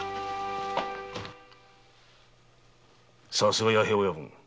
さすが弥平親分だ。